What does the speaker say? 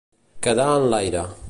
Quedar en l'aire.